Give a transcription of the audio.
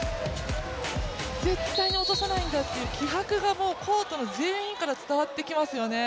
絶対に落とさないんだっていう気迫がコートの全員から伝わってきますよね。